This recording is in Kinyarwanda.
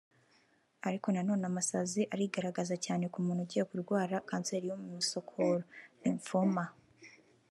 ariko nanone amasazi arigaragaza cyane ku muntu ugiye kurwara kanseri yo mu misokoro(lymphoma)